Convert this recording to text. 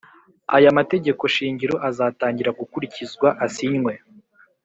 Aya mategeko shingiro azatangira gukurikizwa asinywe